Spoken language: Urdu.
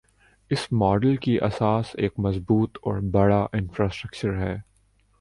اس ماڈل کی اساس ایک مضبوط اور بڑا انفراسٹرکچر ہے۔